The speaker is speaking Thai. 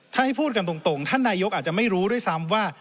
ถ้าให้พูดกันตรงท่านนายกอาจจะไม่รู้ด้วยซ้ำว่า